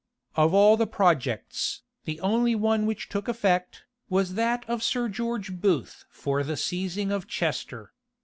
Of all the projects, the only one which took effect, was that of Sir George Booth for the seizing of Chester.